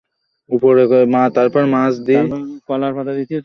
আরেকটা ফেলে দেখি?